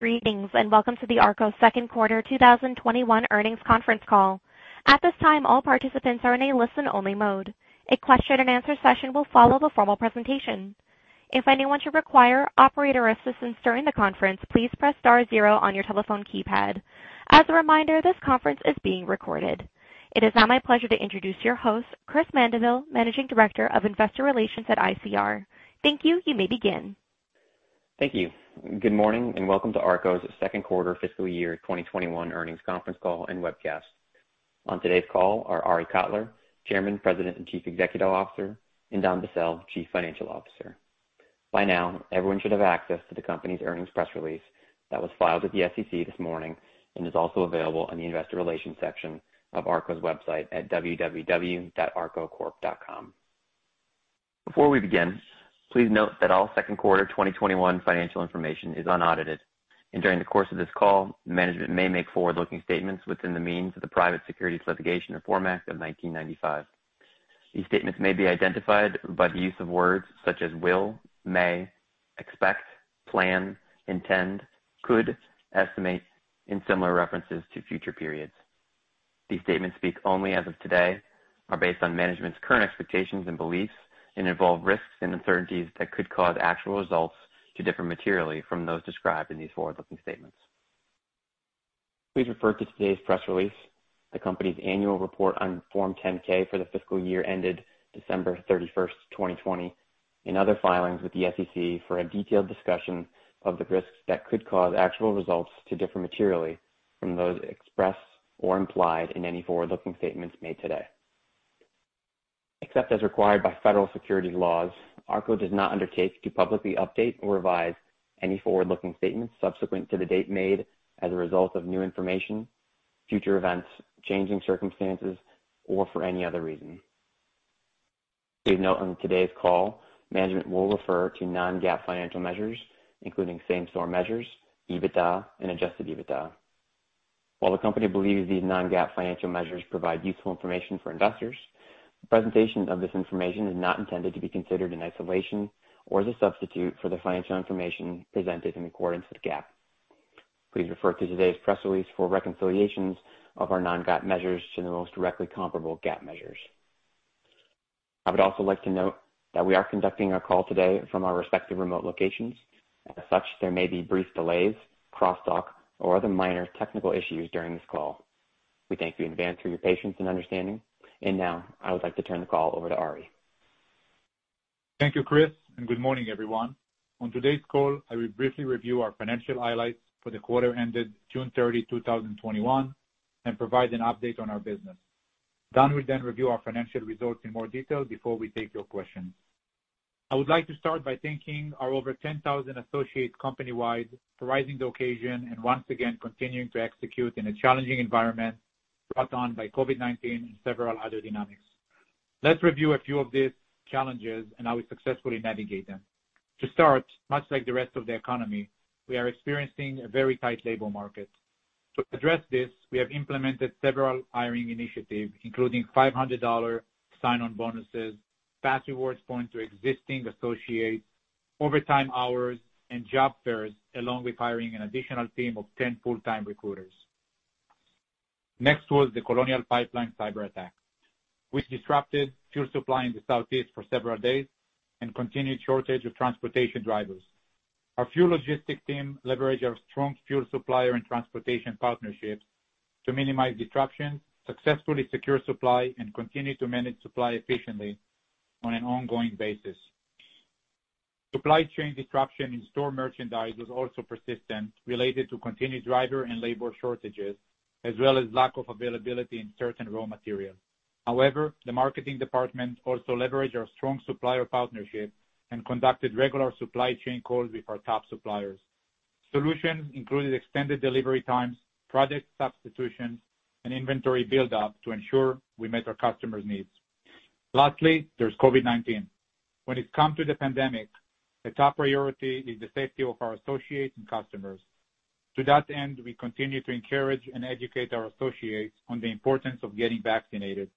Greetings, and welcome to the ARKO Second Quarter 2021 Earnings Conference Call. At this time, all participants are in a listen-only mode. A question and answer session will follow the formal presentation. If anyone should require operator assistance during the conference, please press star 0 on your telephone keypad. As a reminder, this conference is being recorded. It is now my pleasure to introduce your host, Chris Mandeville, Managing Director of Investor Relations at ICR. Thank you. You may begin. Thank you. Good morning, and welcome to ARKO's second quarter fiscal year 2021 earnings conference call and webcast. On today's call are Arie Kotler, Chairman, President, and Chief Executive Officer, and Don Bassell, Chief Financial Officer. By now, everyone should have access to the company's earnings press release that was filed with the SEC this morning and is also available on the investor relations section of ARKO's website at www.arkocorp.com. Before we begin, please note that all second quarter 2021 financial information is unaudited, and during the course of this call, management may make forward-looking statements within the meaning of the Private Securities Litigation Reform Act of 1995. These statements may be identified by the use of words such as will, may, expect, plan, intend, could, estimate, and similar references to future periods. These statements speak only as of today, are based on management's current expectations and beliefs, and involve risks and uncertainties that could cause actual results to differ materially from those described in these forward-looking statements. Please refer to today's press release, the company's annual report on Form 10-K for the fiscal year ended December 31st, 2020, and other filings with the SEC for a detailed discussion of the risks that could cause actual results to differ materially from those expressed or implied in any forward-looking statements made today. Except as required by federal securities laws, ARKO does not undertake to publicly update or revise any forward-looking statements subsequent to the date made as a result of new information, future events, changing circumstances, or for any other reason. Please note on today's call, management will refer to non-GAAP financial measures, including same-store measures, EBITDA, and adjusted EBITDA. While the company believes these non-GAAP financial measures provide useful information for investors, the presentation of this information is not intended to be considered in isolation or as a substitute for the financial information presented in accordance with GAAP. Please refer to today's press release for reconciliations of our non-GAAP measures to the most directly comparable GAAP measures. I would also like to note that we are conducting our call today from our respective remote locations. As such, there may be brief delays, crosstalk, or other minor technical issues during this call. We thank you in advance for your patience and understanding. Now, I would like to turn the call over to Arie. Thank you, Chris, and good morning, everyone. On today's call, I will briefly review our financial highlights for the quarter ended June 30, 2021, and provide an update on our business. Don will then review our financial results in more detail before we take your questions. I would like to start by thanking our over 10,000 associates company-wide for rising to occasion and once again continuing to execute in a challenging environment brought on by COVID-19 and several other dynamics. Let's review a few of these challenges and how we successfully navigate them. To start, much like the rest of the economy, we are experiencing a very tight labor market. To address this, we have implemented several hiring initiatives, including $500 sign-on bonuses, fas REWARDS points to existing associates, overtime hours, and job fairs, along with hiring an additional team of 10 full-time recruiters. Next was the Colonial Pipeline cyberattack, which disrupted fuel supply in the Southeast for several days and continued shortage of transportation drivers. Our fuel logistics team leveraged our strong fuel supplier and transportation partnerships to minimize disruption, successfully secure supply, and continue to manage supply efficiently on an ongoing basis. Supply chain disruption in store merchandise was also persistent related to continued driver and labor shortages, as well as lack of availability in certain raw materials. The marketing department also leveraged our strong supplier partnership and conducted regular supply chain calls with our top suppliers. Solutions included extended delivery times, product substitutions, and inventory buildup to ensure we met our customers' needs. Lastly, there is COVID-19. When it comes to the pandemic, the top priority is the safety of our associates and customers. To that end, we continue to encourage and educate our associates on the importance of getting vaccinated.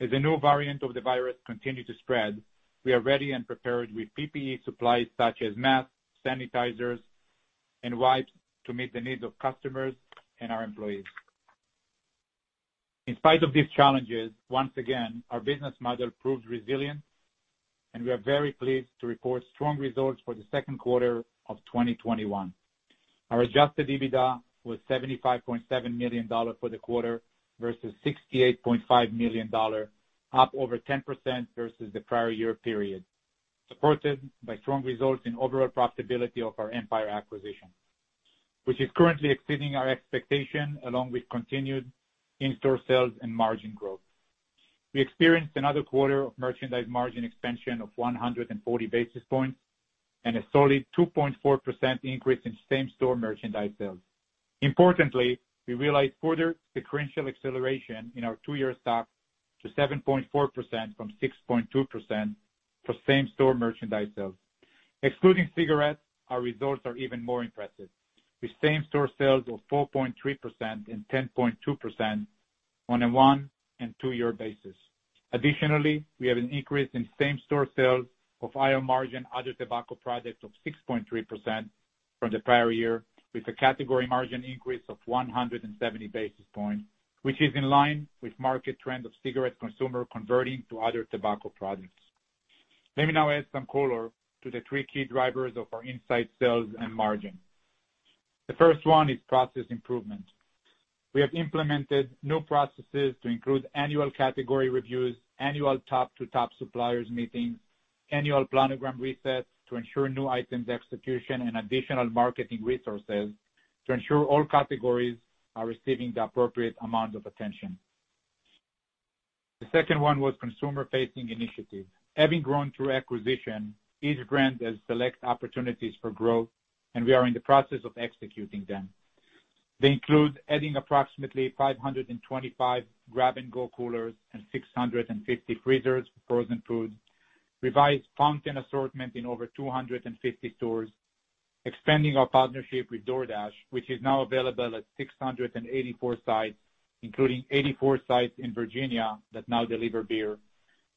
As a new variant of the virus continue to spread, we are ready and prepared with PPE supplies such as masks, sanitizers, and wipes to meet the needs of customers and our employees. In spite of these challenges, once again, our business model proved resilient, and we are very pleased to report strong results for the second quarter of 2021. Our adjusted EBITDA was $75.7 million for the quarter versus $68.5 million, up over 10% versus the prior year period, supported by strong results in overall profitability of our Empire acquisition, which is currently exceeding our expectation along with continued in-store sales and margin growth. We experienced another quarter of merchandise margin expansion of 140 basis points and a solid 2.4% increase in same-store merchandise sales. Importantly, we realized further sequential acceleration in our two-year stack to 7.4% from 6.2% for same-store merchandise sales. Excluding cigarettes, our results are even more impressive, with same-store sales of 4.3% and 10.2%. On a one and two-year basis. Additionally, we have an increase in same-store sales of higher margin other tobacco products of 6.3% from the prior year, with a category margin increase of 170 basis points, which is in line with market trend of cigarette consumer converting to other tobacco products. Let me now add some color to the three key drivers of our inside sales and margin. The first one is process improvement. We have implemented new processes to include annual category reviews, annual top-to-top suppliers meetings, annual planogram resets to ensure new items execution, and additional marketing resources to ensure all categories are receiving the appropriate amount of attention. The second one was consumer-facing initiatives. Having grown through acquisition, each brand has select opportunities for growth, and we are in the process of executing them. They include adding approximately 525 grab-and-go coolers and 650 freezers for frozen foods, revised fountain assortment in over 250 stores, expanding our partnership with DoorDash, which is now available at 684 sites, including 84 sites in Virginia that now deliver beer,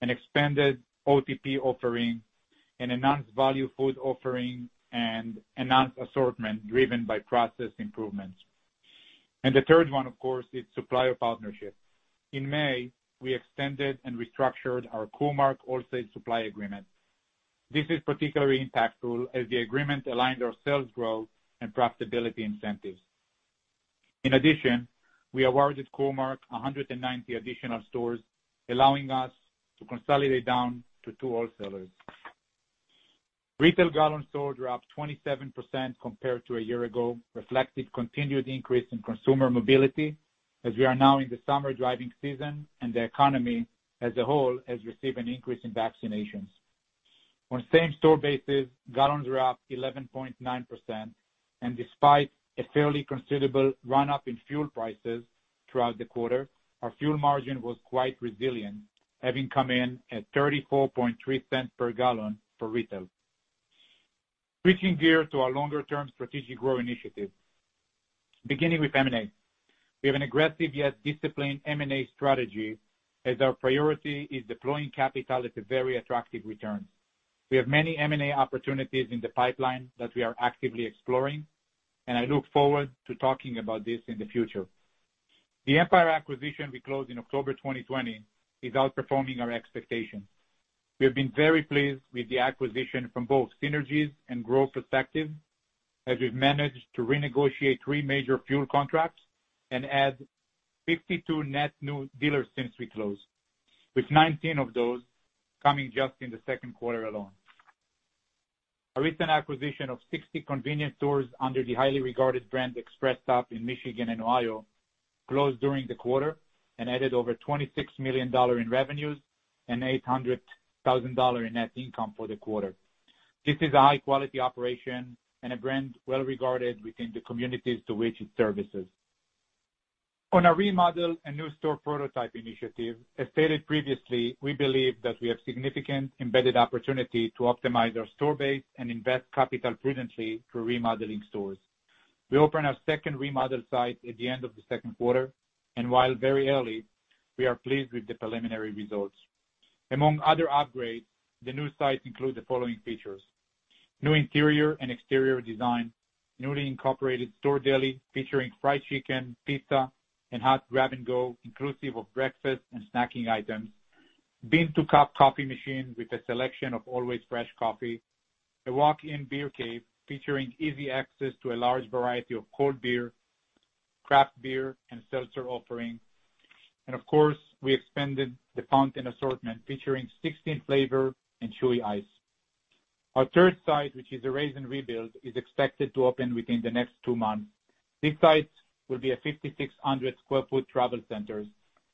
an expanded OTP offering, an enhanced value food offering, and enhanced assortment driven by process improvements. The third one, of course, is supplier partnership. In May, we extended and restructured our Core-Mark wholesale supply agreement. This is particularly impactful as the agreement aligns our sales growth and profitability incentives. In addition, we awarded Core-Mark 190 additional stores, allowing us to consolidate down to two wholesalers. Retail gallons sold were up 27% compared to a year ago, reflecting continued increase in consumer mobility, as we are now in the summer driving season and the economy as a whole has received an increase in vaccinations. On a same-store basis, gallons were up 11.9%, and despite a fairly considerable run-up in fuel prices throughout the quarter, our fuel margin was quite resilient, having come in at $0.343 per gallon for retail. Switching gears to our longer-term strategic growth initiative. Beginning with M&A. We have an aggressive, yet disciplined M&A strategy as our priority is deploying capital at a very attractive return. We have many M&A opportunities in the pipeline that we are actively exploring, and I look forward to talking about this in the future. The Empire acquisition we closed in October 2020 is outperforming our expectations. We have been very pleased with the acquisition from both synergies and growth perspective, as we've managed to renegotiate 3 major fuel contracts and add 52 net new dealers since we closed, with 19 of those coming just in the second quarter alone. Our recent acquisition of 60 convenience stores under the highly regarded brand ExpressStop in Michigan and Ohio closed during the quarter and added over $26 million in revenues and $800,000 in net income for the quarter. This is a high-quality operation and a brand well regarded within the communities to which it services. On our remodel and new store prototype initiative, as stated previously, we believe that we have significant embedded opportunity to optimize our store base and invest capital prudently through remodeling stores. We opened our second remodel site at the end of the second quarter, and while very early, we are pleased with the preliminary results. Among other upgrades, the new sites include the following features: New interior and exterior design, newly incorporated store deli featuring fried chicken, pizza, and hot grab and go inclusive of breakfast and snacking items, bean-to-cup coffee machine with a selection of always fresh coffee, a walk-in beer cave featuring easy access to a large variety of cold beer, craft beer and seltzer offerings. Of course, we expanded the fountain assortment featuring 16 flavor and chewy ice. Our third site, which is a raze and rebuild, is expected to open within the next two months. This site will be a 5,600 sq ft travel center,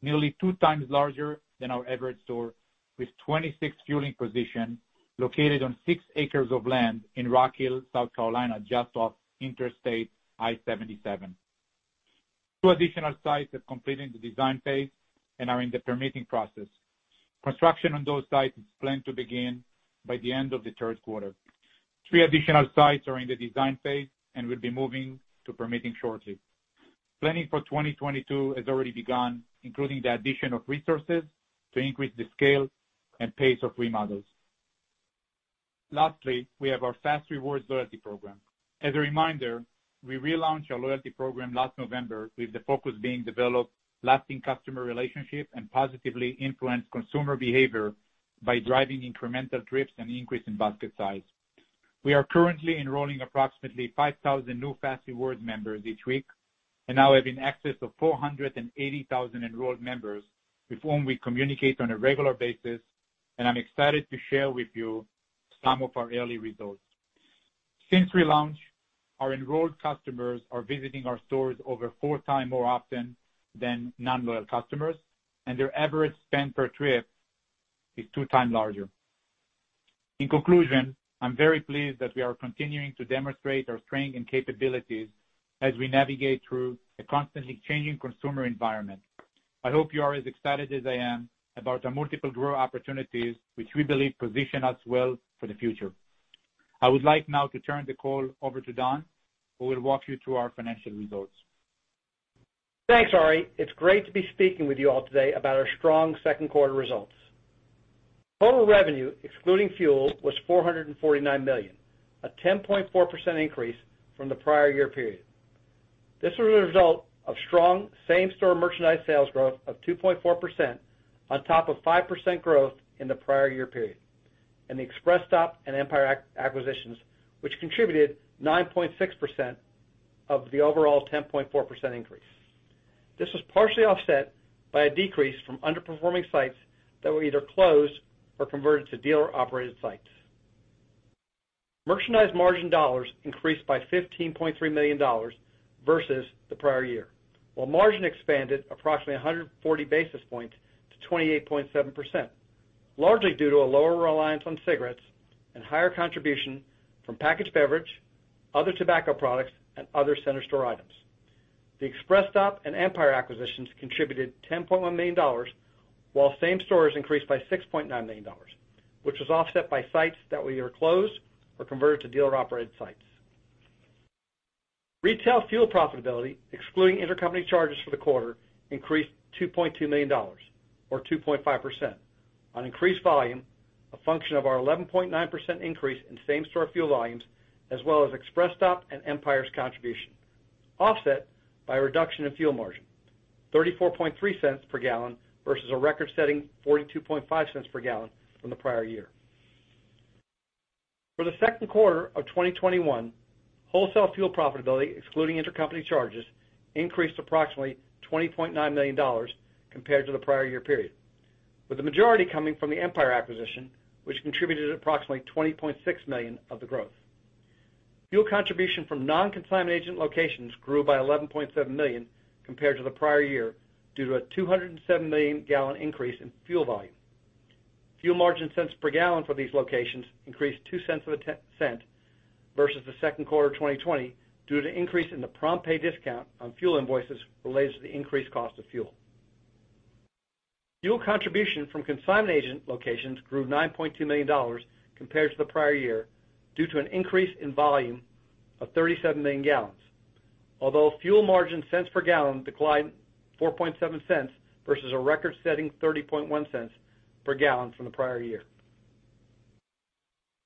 nearly two times larger than our average store, with 26 fueling positions located on 6 acres of land in Rock Hill, South Carolina, just off Interstate I-77. Two additional sites are completing the design phase and are in the permitting process. Construction on those sites is planned to begin by the end of the third quarter. Three additional sites are in the design phase and will be moving to permitting shortly. Planning for 2022 has already begun, including the addition of resources to increase the scale and pace of remodels. Lastly, we have our fas REWARDS loyalty program. As a reminder, we relaunched our loyalty program last November with the focus being develop lasting customer relationships and positively influence consumer behavior by driving incremental trips and increase in basket size. We are currently enrolling approximately 5,000 new fas REWARDS members each week and now have in excess of 480,000 enrolled members with whom we communicate on a regular basis, and I'm excited to share with you some of our early results. Since relaunch, our enrolled customers are visiting our stores over four times more often than non-loyal customers, and their average spend per trip is two times larger. In conclusion, I'm very pleased that we are continuing to demonstrate our strength and capabilities as we navigate through a constantly changing consumer environment. I hope you are as excited as I am about our multiple growth opportunities, which we believe position us well for the future. I would like now to turn the call over to Don, who will walk you through our financial results. Thanks, Arie. It's great to be speaking with you all today about our strong second quarter results. Total revenue, excluding fuel, was $449 million, a 10.4% increase from the prior year period. This was a result of strong same-store merchandise sales growth of 2.4% on top of 5% growth in the prior year period, and the ExpressStop and Empire acquisitions, which contributed 9.6% of the overall 10.4% increase. This was partially offset by a decrease from underperforming sites that were either closed or converted to dealer-operated sites. Merchandise margin dollars increased by $15.3 million versus the prior year, while margin expanded approximately 140 basis points to 28.7%, largely due to a lower reliance on cigarettes and higher contribution from packaged beverage, other tobacco products, and other center store items. The ExpressStop and Empire acquisitions contributed $10.1 million, while same stores increased by $6.9 million, which was offset by sites that were either closed or converted to dealer-operated sites. Retail fuel profitability, excluding intercompany charges for the quarter, increased to $2.2 million, or 2.5% on increased volume, a function of our 11.9% increase in same-store fuel volumes, as well as ExpressStop and Empire's contribution, offset by a reduction in fuel margin, $34.3 per gallon versus a record-setting $42.5 per gallon from the prior year. For the second quarter of 2021, wholesale fuel profitability, excluding intercompany charges, increased approximately $20.9 million compared to the prior year period, with the majority coming from the Empire acquisition, which contributed approximately $20.6 million of the growth. Fuel contribution from non-consignment agent locations grew by $11.7 million compared to the prior year due to a 207-million-gallon increase in fuel volume. Fuel margin cents per gallon for these locations increased $0.2 versus the second quarter of 2020 due to the increase in the prompt pay discount on fuel invoices related to the increased cost of fuel. Fuel contribution from consignment agent locations grew $9.2 million compared to the prior year due to an increase in volume of 37 million gallons. Although fuel margin cents per gallon declined $4.7 versus a record-setting $30.1 per gallon from the prior year.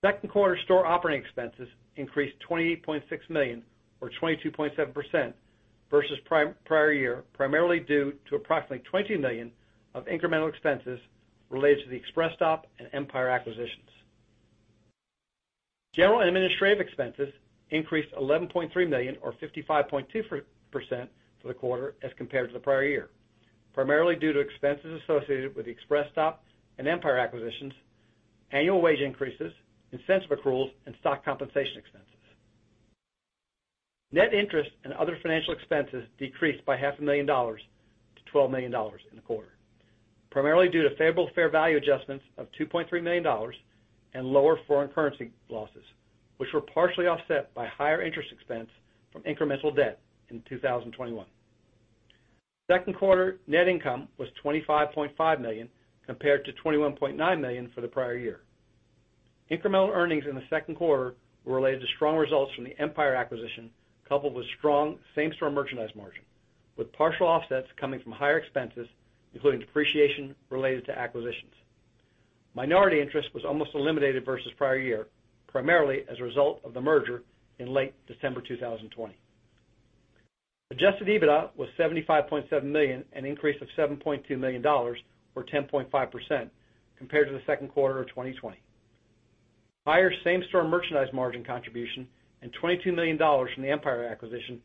Second quarter store operating expenses increased $28.6 million or 22.7% versus prior year, primarily due to approximately $20 million of incremental expenses related to the ExpressStop and Empire acquisitions. General and administrative expenses increased $11.3 million or 55.2% for the quarter as compared to the prior year, primarily due to expenses associated with the ExpressStop and Empire acquisitions, annual wage increases, incentive accruals, and stock compensation expenses. Net interest and other financial expenses decreased by $500,000 to $12 million in the quarter, primarily due to favorable fair value adjustments of $2.3 million and lower foreign currency losses, which were partially offset by higher interest expense from incremental debt in 2021. Second quarter net income was $25.5 million, compared to $21.9 million for the prior year. Incremental earnings in the second quarter were related to strong results from the Empire acquisition, coupled with strong same-store merchandise margin, with partial offsets coming from higher expenses, including depreciation related to acquisitions. Minority interest was almost eliminated versus the prior year, primarily as a result of the merger in late December 2020. Adjusted EBITDA was $75.7 million, an increase of $7.2 million or 10.5% compared to the second quarter of 2020. Higher same-store merchandise margin contribution and $22 million from the Empire acquisition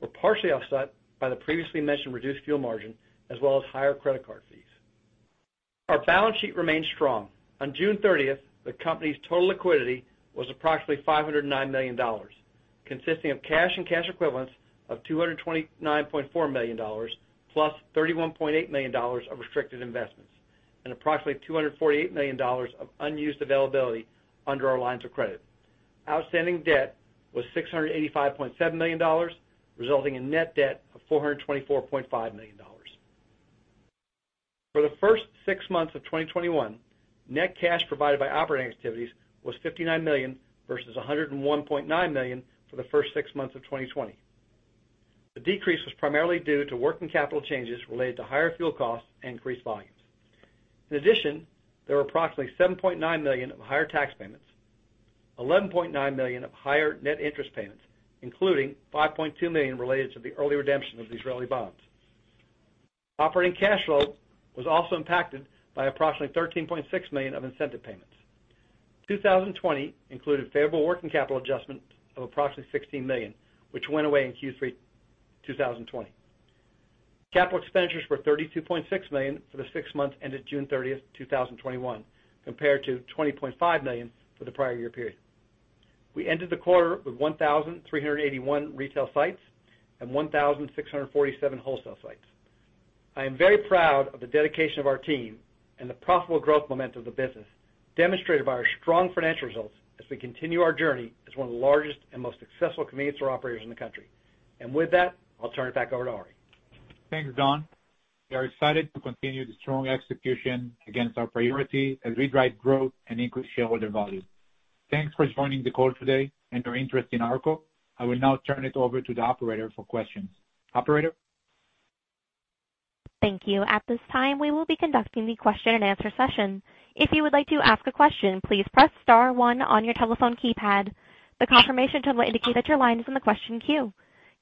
were partially offset by the previously mentioned reduced fuel margin, as well as higher credit card fees. Our balance sheet remains strong. On June 30th, the company's total liquidity was approximately $509 million, consisting of cash and cash equivalents of $229.4 million, +$31.8 million of restricted investments and approximately $248 million of unused availability under our lines of credit. Outstanding debt was $685.7 million, resulting in net debt of $424.5 million. For the first six months of 2021, net cash provided by operating activities was $59 million, versus $101.9 million for the first six months of 2020. The decrease was primarily due to working capital changes related to higher fuel costs and increased volumes. In addition, there were approximately $7.9 million of higher tax payments, $11.9 million of higher net interest payments, including $5.2 million related to the early redemption of the Israeli Bonds. Operating cash flow was also impacted by approximately $13.6 million of incentive payments. 2020 included favorable working capital adjustment of approximately $16 million, which went away in Q3 2020. Capital expenditures were $32.6 million for the six months ended June 30, 2021, compared to $20.5 million for the prior year period. We ended the quarter with 1,381 retail sites and 1,647 wholesale sites. I am very proud of the dedication of our team and the profitable growth momentum of the business demonstrated by our strong financial results as we continue our journey as one of the largest and most successful convenience store operators in the country. With that, I'll turn it back over to Arie. Thanks, Don. We are excited to continue the strong execution against our priority as we drive growth and increase shareholder value. Thanks for joining the call today and your interest in ARKO. I will now turn it over to the operator for questions. Operator? Thank you.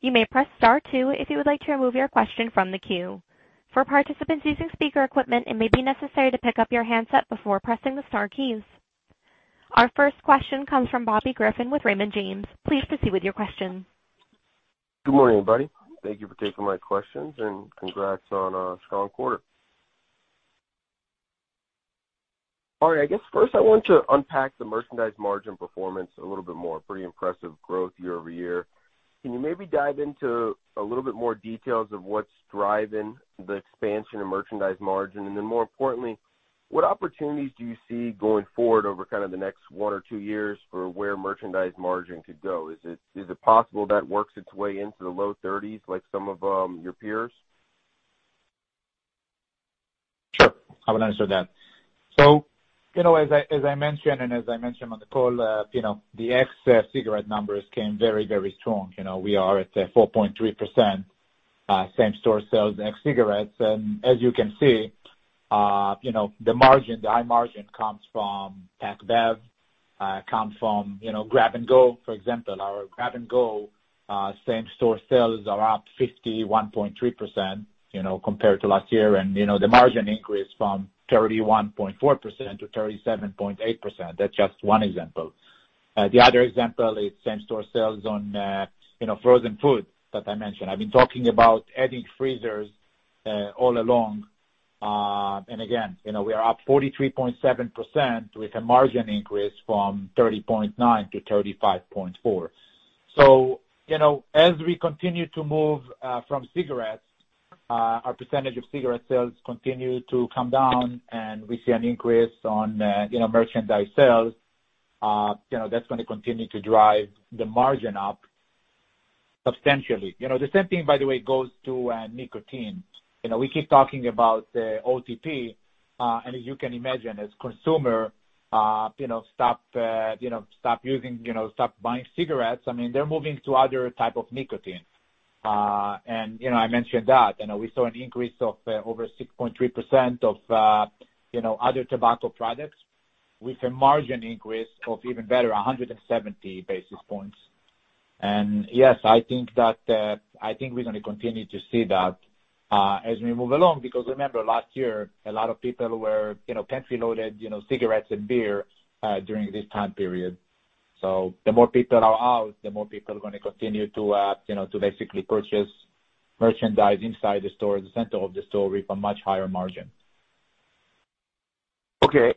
Our first question comes from Bobby Griffin with Raymond James. Please proceed with your question. Good morning, everybody. Thank you for taking my questions and congrats on a strong quarter. All right. I guess first I want to unpack the merchandise margin performance a little bit more. Pretty impressive growth year-over-year. Can you maybe dive into a little bit more details of what's driving the expansion in merchandise margin? More importantly, what opportunities do you see going forward over kind of the next one or two years for where merchandise margin could go? Is it possible that works its way into the low 30s like some of your peers? Sure. I will answer that. As I mentioned on the call, the ex-cigarette numbers came very, very strong. We are at 4.3% same-store sales ex-cigarettes. As you can see, the high margin comes from packaged beverage, comes from grab and go. For example, our grab and go same-store sales are up 51.3% compared to last year. The margin increased from 31.4% to 37.8%. That's just one example. The other example is same-store sales on frozen food that I mentioned. I've been talking about adding freezers all along. Again, we are up 43.7% with a margin increase from 30.9% to 35.4%. As we continue to move from cigarettes, our percentage of cigarette sales continue to come down and we see an increase on merchandise sales. That's going to continue to drive the margin up substantially. The same thing, by the way, goes to nicotine. We keep talking about OTP. As you can imagine, as consumers stop buying cigarettes, they are moving to other types of nicotine. I mentioned that. We saw an increase of over 6.3% of other tobacco products with a margin increase of even better, 170 basis points. Yes, I think we are going to continue to see that as we move along, because remember, last year, a lot of people were pantry loaded cigarettes and beer during this time period. The more people are out, the more people are going to continue to basically purchase merchandise inside the store, at the center of the store with a much higher margin. I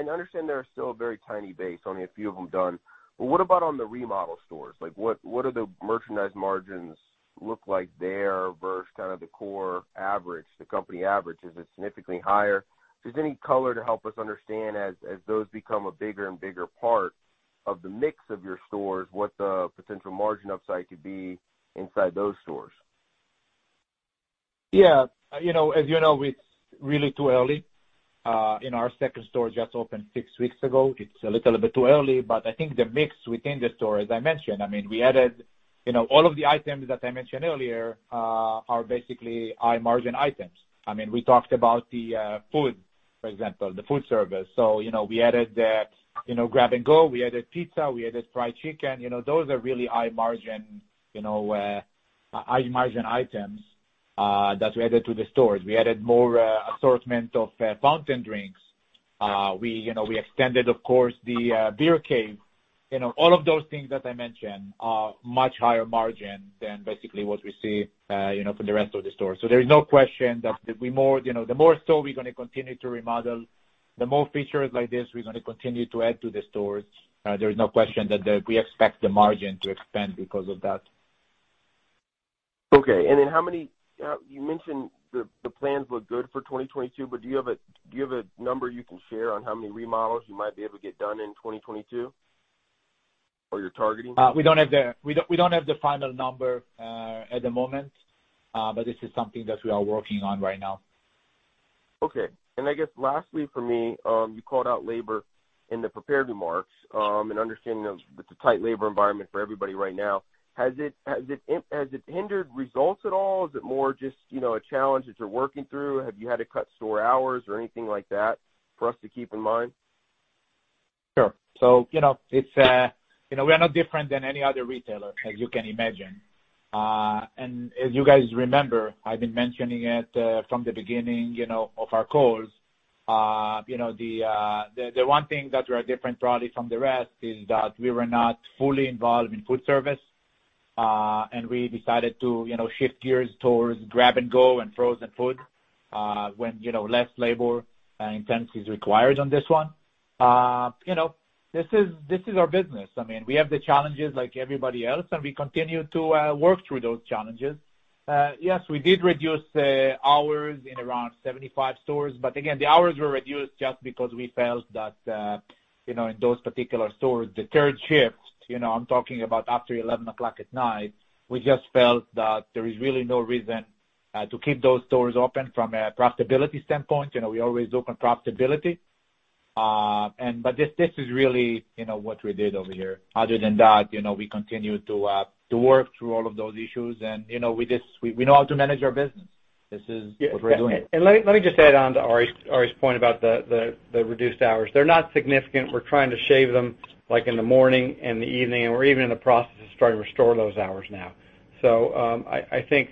understand they are still a very tiny base, only a few of them done. What about on the remodel stores? What are the merchandise margins look like there versus the core average, the company average? Is it significantly higher? Is there any color to help us understand as those become a bigger and bigger part of the mix of your stores, what the potential margin upside could be inside those stores? As you know, it's really too early. Our second store just opened six weeks ago. It's a little bit too early, but I think the mix within the store, as I mentioned, we added all of the items that I mentioned earlier are basically high margin items. We talked about the food, for example, the food service. We added grab and go. We added pizza. We added fried chicken. Those are really high margin items that we added to the stores. We added more assortment of fountain drinks. We extended, of course, the beer cave. All of those things that I mentioned are much higher margin than basically what we see from the rest of the store. There is no question that the more store we're going to continue to remodel, the more features like this we're going to continue to add to the stores. There is no question that we expect the margin to expand because of that. Okay. You mentioned the plans look good for 2022, but do you have a number you can share on how many remodels you might be able to get done in 2022 or you're targeting? We don't have the final number at the moment. This is something that we are working on right now. Okay. I guess lastly from me, you called out labor in the prepared remarks and understanding of it's a tight labor environment for everybody right now. Has it hindered results at all? Is it more just a challenge that you're working through? Have you had to cut store hours or anything like that for us to keep in mind? Sure. We are no different than any other retailer, as you can imagine. As you guys remember, I've been mentioning it from the beginning of our calls. The one thing that we are different probably from the rest is that we were not fully involved in food service. We decided to shift gears towards grab and go and frozen food when less labor intensity is required on this one. This is our business. We have the challenges like everybody else, and we continue to work through those challenges. We did reduce hours in around 75 stores. Again, the hours were reduced just because we felt that in those particular stores, the third shift, I'm talking about after 11:00 at night, we just felt that there is really no reason to keep those stores open from a profitability standpoint. We always open profitability. This is really what we did over here. Other than that, we continue to work through all of those issues, and we know how to manage our business. This is what we're doing. Let me just add on to Arie's point about the reduced hours. They're not significant. We're trying to shave them like in the morning and the evening, and we're even in the process of starting to restore those hours now. I think,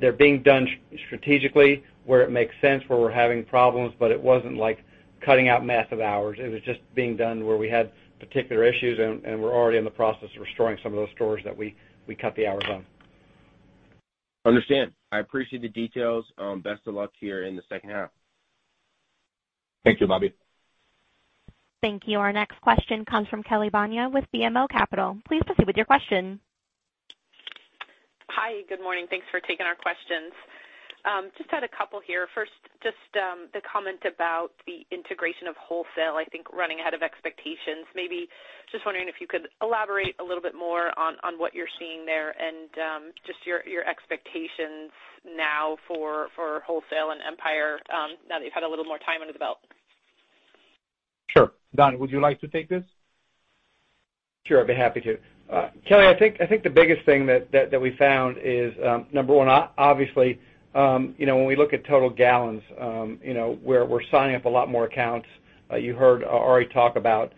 they're being done strategically where it makes sense, where we're having problems, but it wasn't like cutting out massive hours. It was just being done where we had particular issues, and we're already in the process of restoring some of those stores that we cut the hours on. Understand. I appreciate the details. Best of luck to you in the second half. Thank you, Bobby. Thank you. Our next question comes from Kelly Bania with BMO Capital. Please proceed with your question. Hi. Good morning. Thanks for taking our questions. Just had two here. Just the comment about the integration of wholesale, I think running ahead of expectations. Just wondering if you could elaborate a little bit more on what you're seeing there and just your expectations now for wholesale and Empire now that you've had a little more time under the belt. Sure. Don, would you like to take this? Sure, I'd be happy to. Kelly, I think the biggest thing that we found is, number one, obviously, when we look at total gallons, we're signing up a lot more accounts. You heard Arie Kotler talk about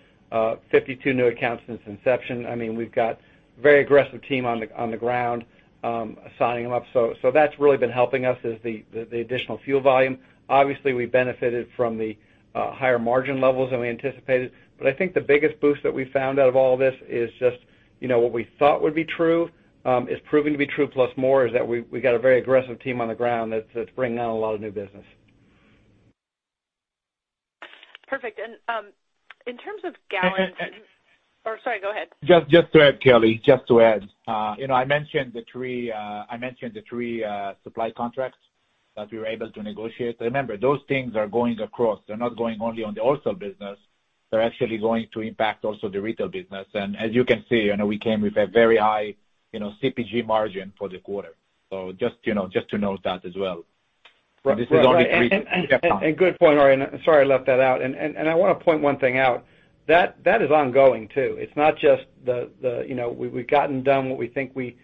52 new accounts since inception. We've got a very aggressive team on the ground signing them up. That's really been helping us is the additional fuel volume. Obviously, we benefited from the higher margin levels than we anticipated. I think the biggest boost that we found out of all this is just what we thought would be true is proving to be true plus more, is that we got a very aggressive team on the ground that's bringing on a lot of new business. Perfect. And- sorry, go ahead. Just to add, Kelly, just to add. I mentioned the three supply contracts that we were able to negotiate. Remember, those things are going across. They're not going only on the wholesale business. They're actually going to impact also the retail business. As you can see, we came with a very high CPG margin for the quarter. Just to note that as well. Good point, Arie, and sorry I left that out. I want to point one thing out. That is ongoing, too. It's not just we've gotten done what we think we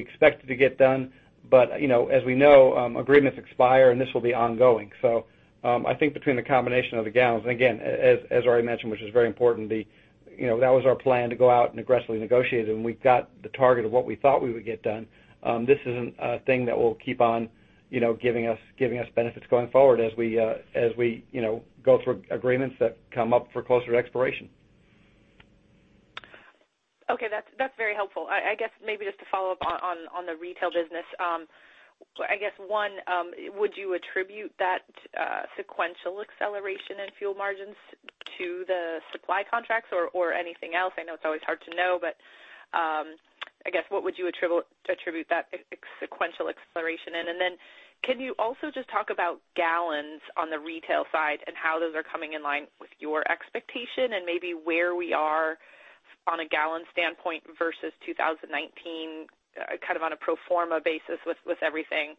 expected to get done, but, as we know, agreements expire, and this will be ongoing. I think between the combination of the gallons, and again, as Arie mentioned, which is very important, that was our plan, to go out and aggressively negotiate, and we got the target of what we thought we would get done. This is a thing that will keep on giving us benefits going forward as we go through agreements that come up for closer expiration. Okay. That's very helpful. I guess maybe just to follow up on the retail business. I guess, one, would you attribute that sequential acceleration in fuel margins to the supply contracts or anything else? I know it's always hard to know, but I guess what would you attribute that sequential acceleration in? Then can you also just talk about gallons on the retail side and how those are coming in line with your expectation and maybe where we are on a gallon standpoint versus 2019, kind of on a pro forma basis with everything?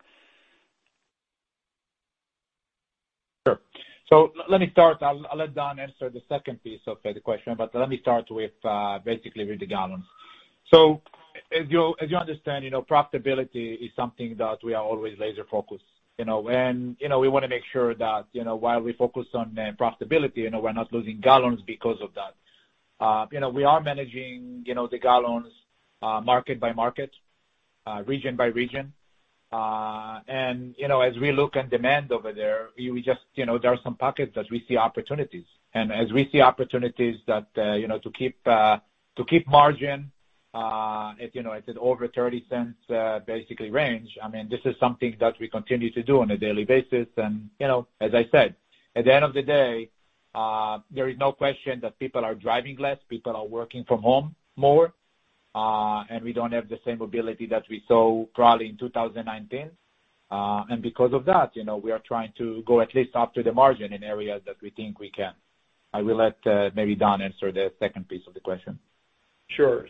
Sure. Let me start. I'll let Don answer the second piece of the question, but let me start basically with the gallons. We want to make sure that while we focus on profitability, we're not losing gallons because of that. We are managing the gallons market by market, region by region. As we look at demand over there are some pockets that we see opportunities. As we see opportunities to keep margin at over $0.30 basically range, this is something that we continue to do on a daily basis. As I said, at the end of the day, there is no question that people are driving less, people are working from home more, and we don't have the same mobility that we saw probably in 2019. Because of that, we are trying to go at least up to the margin in areas that we think we can. I will let maybe Don answer the second piece of the question. Sure.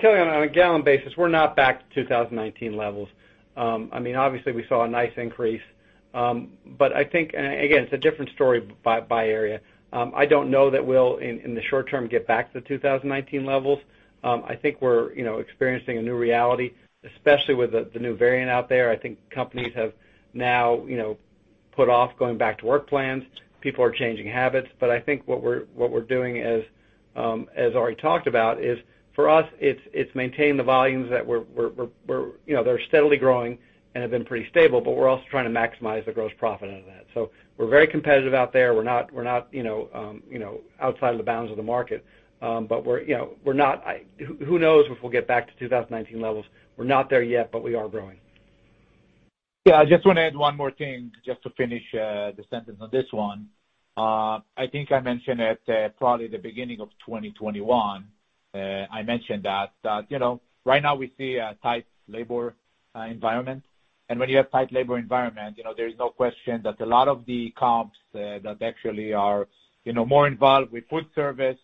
Kelly, on a gallon basis, we're not back to 2019 levels. Obviously, we saw a nice increase. I think, again, it's a different story by area. I don't know that we'll, in the short term, get back to the 2019 levels. I think we're experiencing a new reality, especially with the new variant out there. I think companies have now put off going back to work plans. People are changing habits. I think what we're doing, as Arie talked about, is for us, it's maintaining the volumes that they're steadily growing and have been pretty stable, but we're also trying to maximize the gross profit into that. We're very competitive out there. We're not outside of the bounds of the market. Who knows if we'll get back to 2019 levels? We're not there yet, but we are growing. I just want to add one more thing just to finish the sentence on this one. I think I mentioned it probably at the beginning of 2021. I mentioned that right now we see a tight labor environment. When you have tight labor environment, there is no question that a lot of the comps that actually are more involved with food service.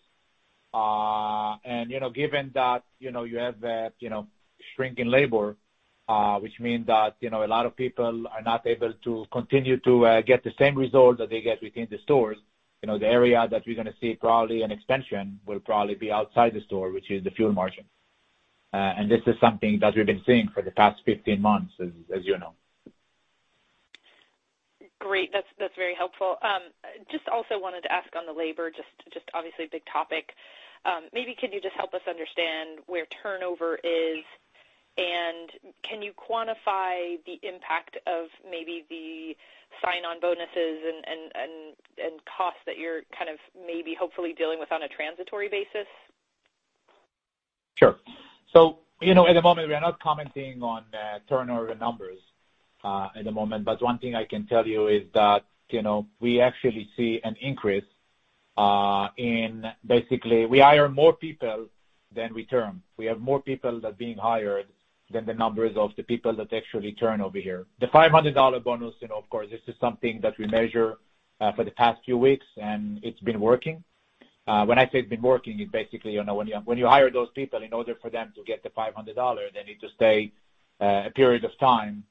Given that you have that shrinking labor, which means that a lot of people are not able to continue to get the same results that they get within the stores, the area that we're going to see probably an expansion will probably be outside the store, which is the fuel margin. This is something that we've been seeing for the past 15 months, as you know. Great. That's very helpful. Just also wanted to ask on the labor, just obviously a big topic. Maybe could you just help us understand where turnover is and can you quantify the impact of maybe the sign-on bonuses and costs that you're kind of maybe hopefully dealing with on a transitory basis? Sure. At the moment, we are not commenting on turnover numbers at the moment, but one thing I can tell you is that we actually see an increase in basically, we hire more people than we turn. We have more people that are being hired than the numbers of the people that actually turn over here. The $500 bonus, of course, this is something that we measure for the past few weeks, and it's been working. When I say it's been working, it's basically when you hire those people, in order for them to get the $500, they need to stay a period of time,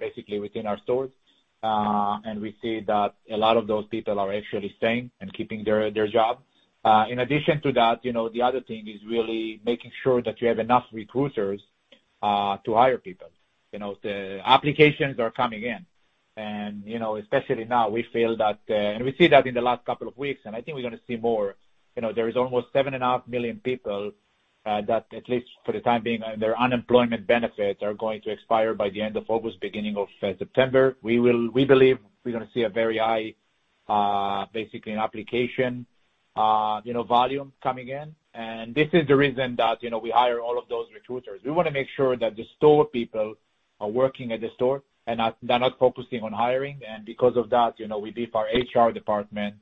basically within our stores. We see that a lot of those people are actually staying and keeping their jobs. In addition to that, the other thing is really making sure that you have enough recruiters to hire people. The applications are coming in, especially now we see that in the last couple of weeks, and I think we're going to see more. There is almost 7.5 million people that, at least for the time being, their unemployment benefits are going to expire by the end of August, beginning of September. We believe we're going to see a very high, basically an application volume coming in. This is the reason that we hire all of those recruiters. We want to make sure that the store people are working at the store and they're not focusing on hiring. Because of that, we beef our HR department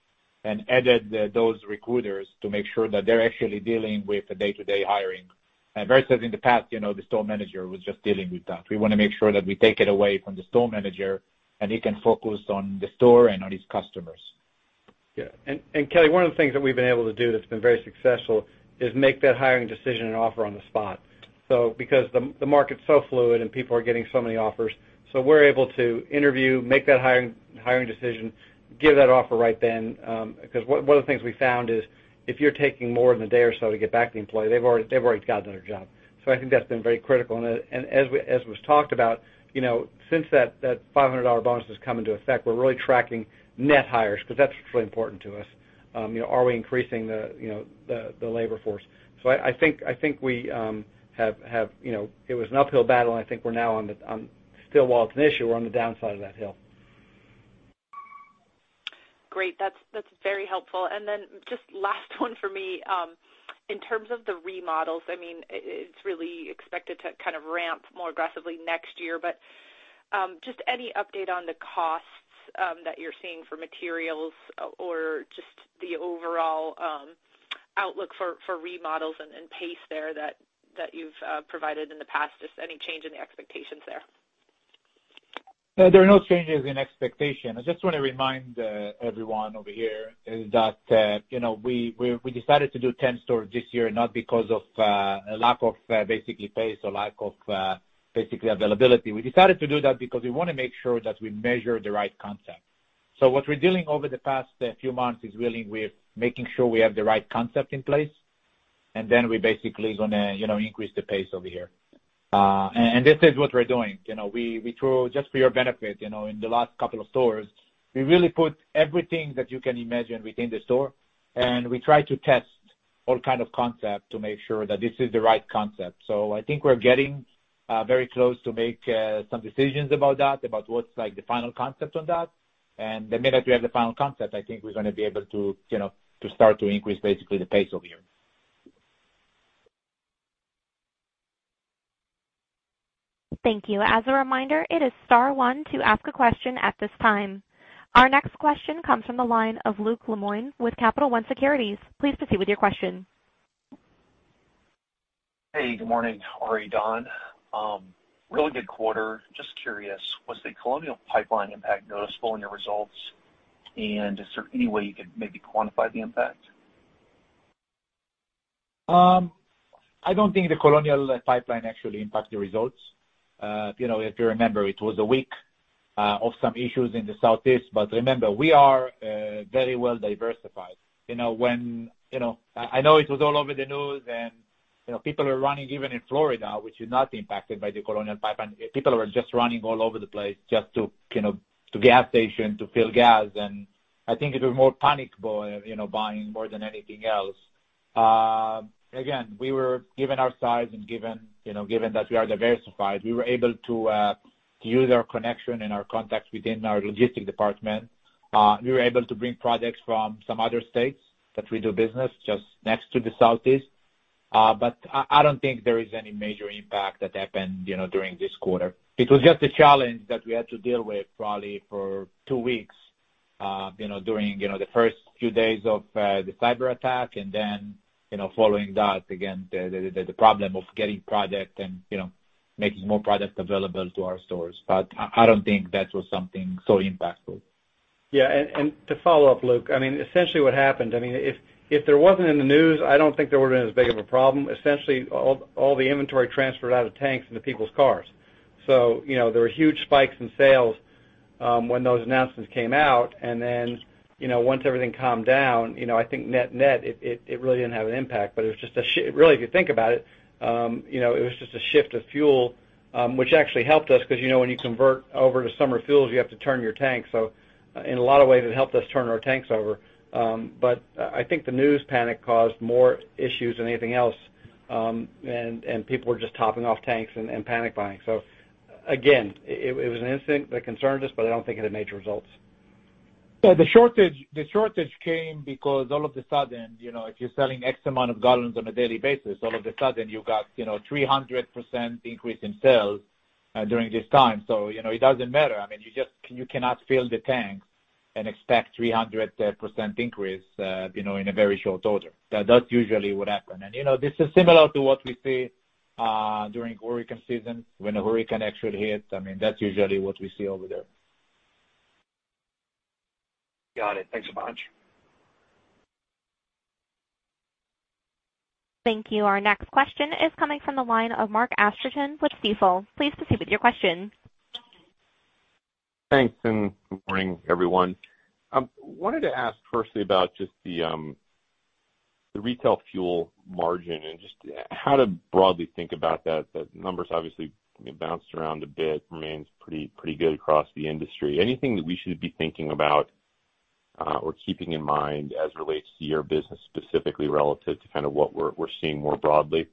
and added those recruiters to make sure that they're actually dealing with the day-to-day hiring. Versus in the past, the store manager was just dealing with that. We want to make sure that we take it away from the store manager and he can focus on the store and on his customers. Yeah. Kelly, one of the things that we've been able to do that's been very successful is make that hiring decision and offer on the spot. Because the market's so fluid and people are getting so many offers, so we're able to interview, make that hiring decision, give that offer right then. Because one of the things we found is if you're taking more than a day or so to get back to the employee, they've already gotten another job. I think that's been very critical. As was talked about, since that $500 bonus has come into effect, we're really tracking net hires because that's really important to us. Are we increasing the labor force? I think we have. It was an uphill battle, and I think we're now on the still while it's an issue, we're on the downside of that hill. Great. That's very helpful. Then just last one for me. In terms of the remodels, it's really expected to kind of ramp more aggressively next year. Just any update on the costs that you're seeing for materials or just the overall outlook for remodels and pace there that you've provided in the past. Just any change in the expectations there? There are no changes in expectation. I just want to remind everyone over here is that we decided to do 10 stores this year, not because of a lack of basically pace or lack of basically availability. We decided to do that because we want to make sure that we measure the right concept. What we're doing over the past few months is really with making sure we have the right concept in place, and then we basically gonna increase the pace over here. This is what we're doing. We threw, just for your benefit, in the last couple of stores, we really put everything that you can imagine within the store, and we try to test all kind of concept to make sure that this is the right concept. I think we're getting very close to make some decisions about that, about what's like the final concept on that. The minute we have the final concept, I think we're going to be able to start to increase basically the pace over here. Thank you. As a reminder, it is star one to ask a question at this time. Our next question comes from the line of Luke Lemoine with Capital One Securities. Please proceed with your question. Hey, good morning, Arie, Don. Really good quarter. Just curious, was the Colonial Pipeline impact noticeable in your results? Is there any way you could maybe quantify the impact? I don't think the Colonial Pipeline actually impact the results. If you remember, it was a week of some issues in the Southeast. Remember, we are very well diversified. I know it was all over the news and people were running even in Florida, which is not impacted by the Colonial Pipeline. People were just running all over the place just to gas station to fill gas. I think it was more panic buying more than anything else. Again, given our size and given that we are diversified, we were able to use our connection and our contacts within our logistics department. We were able to bring products from some other states that we do business just next to the Southeast. I don't think there is any major impact that happened during this quarter. It was just a challenge that we had to deal with probably for two weeks, during the first few days of the cyberattack and then following that, again, the problem of getting product and making more product available to our stores. I don't think that was something so impactful. Yeah. To follow up, Luke, essentially what happened, if it wasn't in the news, I don't think there would've been as big of a problem. Essentially, all the inventory transferred out of tanks into people's cars. There were huge spikes in sales when those announcements came out, then, once everything calmed down, I think net-net, it really didn't have an impact, really, if you think about it was just a shift of fuel, which actually helped us because when you convert over to summer fuels, you have to turn your tanks. In a lot of ways, it helped us turn our tanks over. I think the news panic caused more issues than anything else, people were just topping off tanks and panic buying. Again, it was an incident that concerned us, but I don't think it had major results. Well, the shortage came because all of a sudden, if you're selling X amount of gallons on a daily basis, all of a sudden you got 300% increase in sales during this time. It doesn't matter. You cannot fill the tank and expect 300% increase in a very short order. That's usually what happen. This is similar to what we see during hurricane season when a hurricane actually hits. That's usually what we see over there. Got it. Thanks a bunch. Thank you. Our next question is coming from the line of Mark Astrachan with Stifel. Please proceed with your question. Thanks, good morning, everyone. I wanted to ask firstly about just the retail fuel margin and just how to broadly think about that. The numbers obviously bounced around a bit, remains pretty good across the industry. Anything that we should be thinking about, or keeping in mind as it relates to your business, specifically relative to kind of what we're seeing more broadly?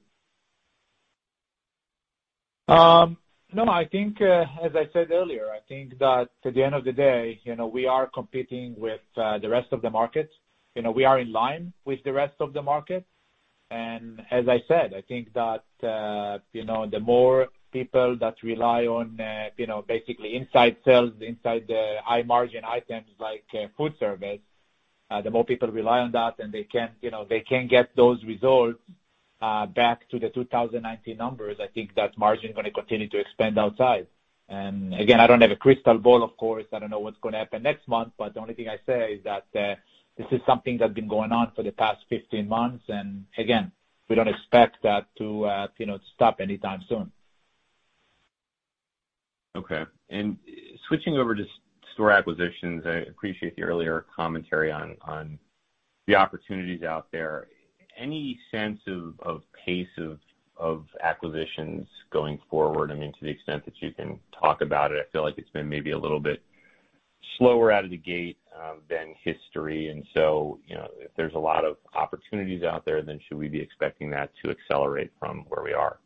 No, as I said earlier, I think that at the end of the day, we are competing with the rest of the market. We are in line with the rest of the market, and as I said, I think that the more people that rely on basically inside sales, inside the high margin items like food service, the more people rely on that, and they can't get those results back to the 2019 numbers. I think that margin is going to continue to expand outside. Again, I don't have a crystal ball, of course. I don't know what's going to happen next month, but the only thing I say is that this is something that's been going on for the past 15 months, and again, we don't expect that to stop anytime soon. Okay. Switching over to store acquisitions, I appreciate the earlier commentary on the opportunities out there. Any sense of pace of acquisitions going forward? To the extent that you can talk about it, I feel like it's been maybe a little bit slower out of the gate than history. If there's a lot of opportunities out there, should we be expecting that to accelerate from where we are?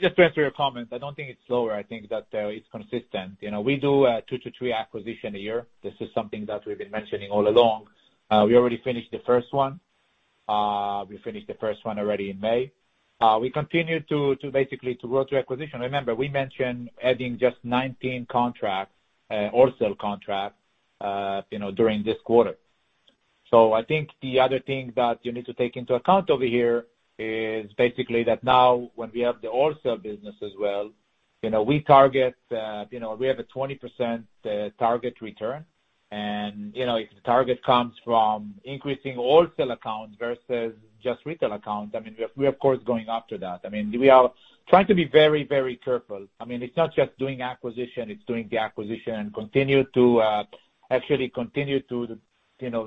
Just to answer your comment, I don't think it's slower. I think that it's consistent. We do two to three acquisition a year. This is something that we've been mentioning all along. We already finished the first one. We finished the first one already in May. We continue to basically grow through acquisition. Remember, we mentioned adding just 19 contracts, wholesale contracts, during this quarter. I think the other thing that you need to take into account over here is basically that now, when we have the wholesale business as well, we have a 20% target return, and if the target comes from increasing wholesale accounts versus just retail accounts, we of course, are going after that. We are trying to be very, very careful. It's not just doing acquisition, it's doing the acquisition and actually continue to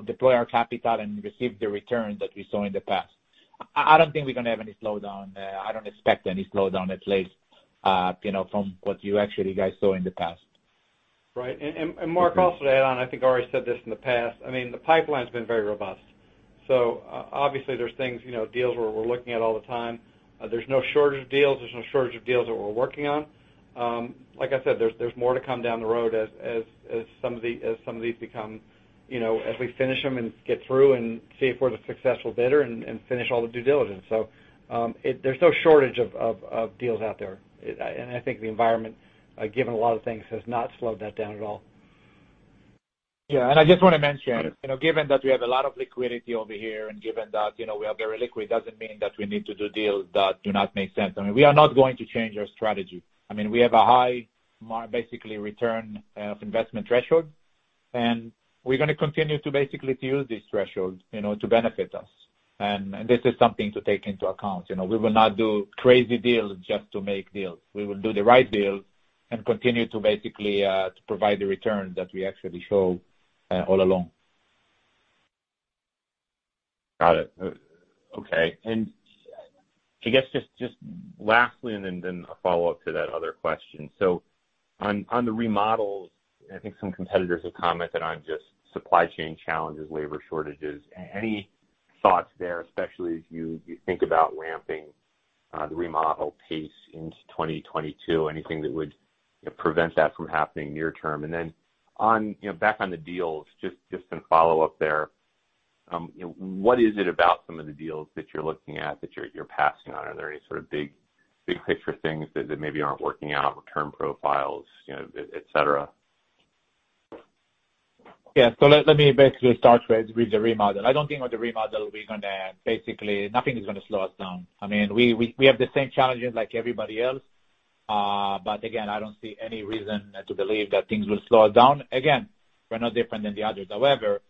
deploy our capital and receive the return that we saw in the past. I don't think we're going to have any slowdown. I don't expect any slowdown, at least, from what you actually guys saw in the past. Right. Mark, also to add on, I think Arie said this in the past. The pipeline's been very robust. Obviously there's deals where we're looking at all the time. There's no shortage of deals that we're working on. Like I said, there's more to come down the road as we finish them and get through and see if we're the successful bidder and finish all the due diligence. There's no shortage of deals out there. I think the environment, given a lot of things, has not slowed that down at all. Yeah, I just want to mention, given that we have a lot of liquidity over here and given that we are very liquid, doesn't mean that we need to do deals that do not make sense. We are not going to change our strategy. We have a high, basically, ROI threshold, we're going to continue to basically use this threshold to benefit us. This is something to take into account. We will not do crazy deals just to make deals. We will do the right deals continue to basically, to provide the return that we actually show all along. Got it. Okay. I guess just lastly, and then a follow-up to that other question. On the remodels, I think some competitors have commented on just supply chain challenges, labor shortages. Any thoughts there, especially as you think about ramping the remodel pace into 2022? Anything that would prevent that from happening near term? Then back on the deals, just some follow up there. What is it about some of the deals that you're looking at, that you're passing on? Are there any sort of big picture things that maybe aren't working out, return profiles, et cetera? Yeah. Let me basically start with the remodel. I don't think with the remodel nothing is going to slow us down. We have the same challenges like everybody else. Again, I don't see any reason to believe that things will slow down. Again, we're no different than the others. However,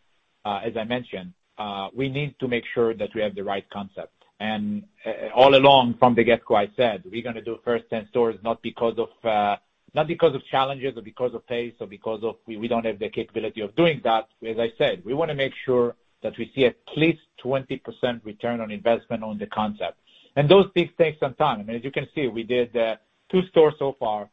as I mentioned, we need to make sure that we have the right concept. All along from the get-go, I said, we're going to do first 10 stores, not because of challenges or because of pace or because of we don't have the capability of doing that. As I said, we want to make sure that we see at least 20% return on investment on the concept. Those things take some time. As you can see, we did two stores so far.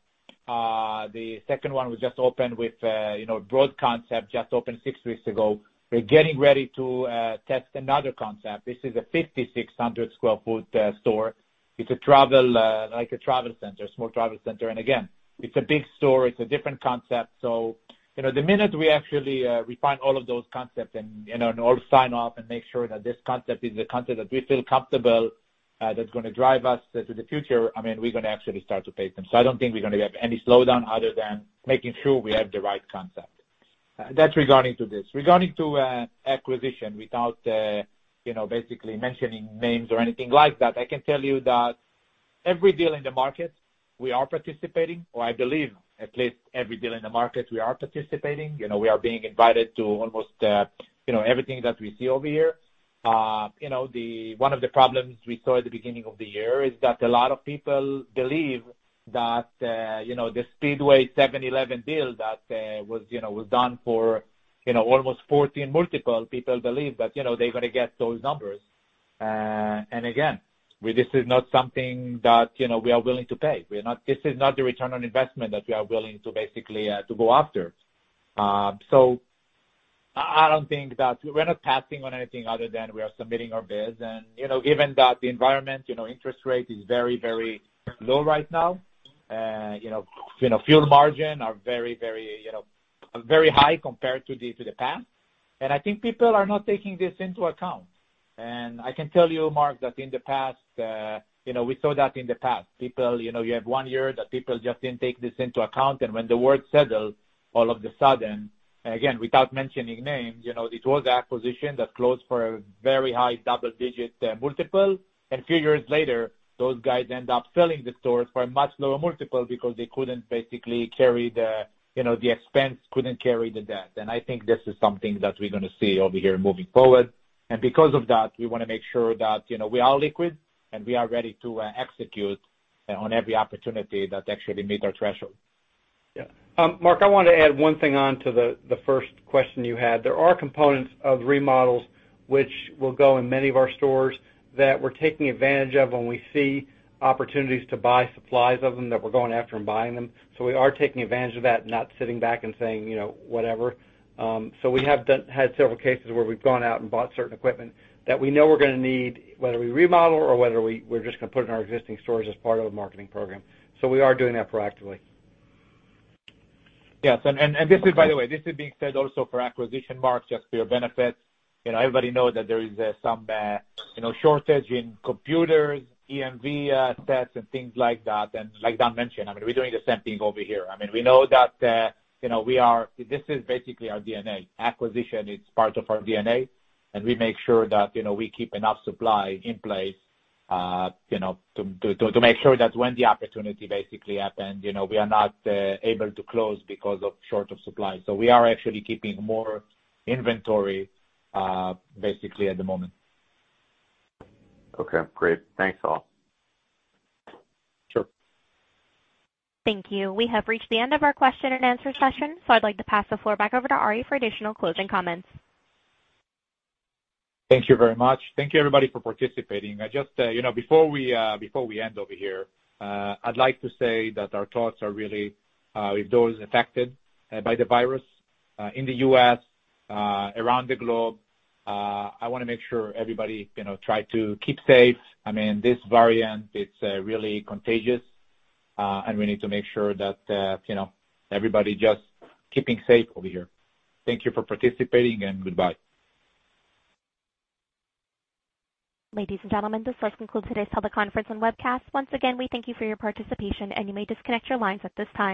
The second one was just opened with a broad concept, just opened six weeks ago. We're getting ready to test another concept. This is a 5,600 sq ft store. It's like a travel center, small travel center. Again, it's a big store. It's a different concept. The minute we actually refine all of those concepts and all sign off and make sure that this concept is the concept that we feel comfortable that's going to drive us to the future, we're going to actually start to pace them. I don't think we're going to have any slowdown other than making sure we have the right concept. That's regarding to this. Regarding to acquisition, without basically mentioning names or anything like that, I can tell you that every deal in the market we are participating, or I believe at least every deal in the market we are participating. We are being invited to almost everything that we see over here. One of the problems we saw at the beginning of the year is that a lot of people believe that the Speedway 7-Eleven deal that was done for almost 14x multiple, people believe that they're going to get those numbers. Again, this is not something that we are willing to pay. This is not the return on investment that we are willing to basically to go after. I don't think that we're not passing on anything other than we are submitting our bids. Given that the environment, interest rate is very, very low right now, fuel margin are very high compared to the past, and I think people are not taking this into account. I can tell you, Mark, that we saw that in the past. You have one year that people just didn't take this into account, and when the word settled, all of the sudden, again, without mentioning names, it was acquisition that closed for a very high double-digit multiple, and few years later, those guys end up selling the stores for a much lower multiple because they couldn't basically carry the expense, couldn't carry the debt. I think this is something that we're going to see over here moving forward. Because of that, we want to make sure that we are liquid and we are ready to execute on every opportunity that actually meet our threshold. Mark, I want to add one thing on to the first question you had. There are components of remodels which will go in many of our stores that we're taking advantage of when we see opportunities to buy supplies of them, that we're going after and buying them. We are taking advantage of that, not sitting back and saying, "Whatever." We have had several cases where we've gone out and bought certain equipment that we know we're going to need, whether we remodel or whether we're just going to put in our existing stores as part of the marketing program. We are doing that proactively. Yes. This is, by the way, this is being said also for acquisition, Mark, just for your benefit. Everybody know that there is some shortage in computers, EMV assets, and things like that. Like Don mentioned, we're doing the same thing over here. We know that this is basically our DNA. Acquisition is part of our DNA, and we make sure that we keep enough supply in place to make sure that when the opportunity basically happens, we are not able to close because of short of supply. We are actually keeping more inventory basically at the moment. Okay, great. Thanks, all. Sure. Thank you. We have reached the end of our question and answer session, so I'd like to pass the floor back over to Arie for additional closing comments. Thank you very much. Thank you, everybody, for participating. Before we end over here, I'd like to say that our thoughts are really with those affected by the virus in the U.S., around the globe. I want to make sure everybody try to keep safe. This variant, it's really contagious, and we need to make sure that everybody just keeping safe over here. Thank you for participating, and goodbye. Ladies and gentlemen, this does conclude today's teleconference and webcast. Once again, we thank you for your participation, and you may disconnect your lines at this time.